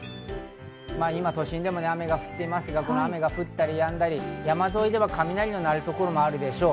都心でも雨が降っていますが、この雨が降ったりやんだり、山沿いでは雷が鳴るところもあるでしょう。